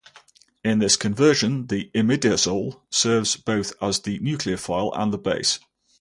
In this conversion, the imidazole serves both as the nucleophile and the base.